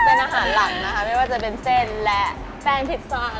เป็นอาหารหลักนะคะไม่ว่าจะเป็นเส้นและแป้งพริกซอง